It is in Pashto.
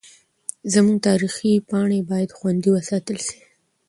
زموږ تاریخي پاڼې باید خوندي وساتل سي.